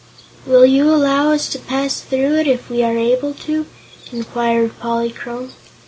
"Will you allow us to pass through it, if we are able to?" inquired Polychrome.